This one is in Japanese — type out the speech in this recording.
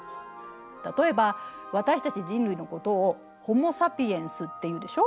例えば私たち人類のことを「ホモ・サピエンス」っていうでしょ？